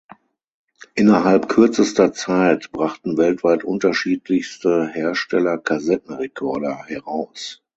Innerhalb kürzester Zeit brachten weltweit unterschiedlichste Hersteller Kassettenrekorder heraus.